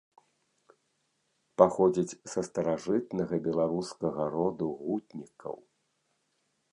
Паходзіць са старажытнага беларускага роду гутнікаў.